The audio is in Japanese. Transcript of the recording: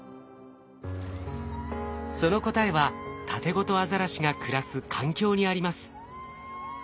その答えはタテゴトアザラシが暮らす環境にあります。